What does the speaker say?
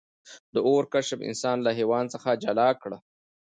د اور کشف انسان له حیوان څخه جلا کړ.